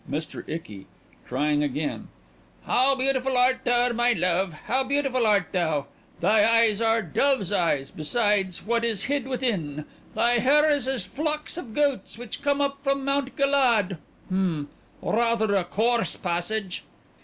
MR. ICKY: (Trying again) "How beautiful art thou my love, how beautiful art thou! Thy eyes are dove's eyes, besides what is hid within. Thy hair is as flocks of goats which come up from Mount Galaad Hm! Rather a coarse passage...."